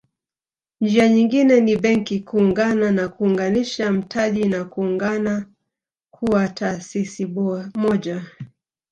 Njia nyingine ni Benki kuungana na kuunganisha mtaji na kuungana kuwa taasisi moja